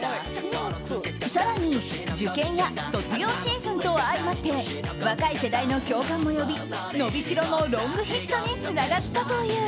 更に、受験や卒業シーズンを相まって若い世代の共感も呼び「のびしろ」のロングヒットにつながったという。